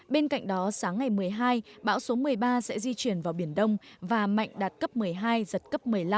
bên cạnh đó sáng ngày một mươi hai bão số một mươi ba sẽ di chuyển vào biển đông và mạnh đạt cấp một mươi hai giật cấp một mươi năm